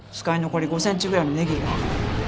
使い残り５ｃｍぐらいのネギが。